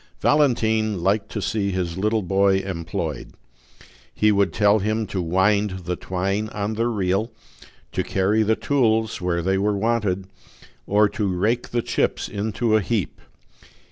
Valentine liked to see his little boy employed. He would tell him to wind the twine on the reel, to carry the tools where they were wanted, or to rake the chips into a heap.